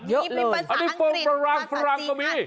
เยอะเลยมีภาษาอังกฤษฝรั่งก็มี